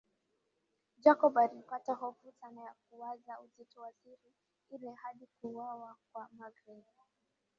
Jacob alipata hofu sana na kuwaza uzito wa siri ile hadi kuuawa kwa magreth